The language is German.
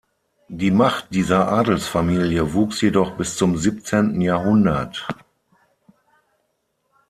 Die Macht dieser Adelsfamilie wuchs jedoch bis zum siebzehnten Jahrhundert.